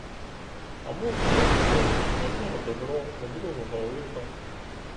А може — як у кого: у одного — добро, у другого — лихо.